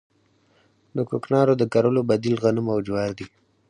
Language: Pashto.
د کوکنارو د کرلو بدیل غنم او جوار دي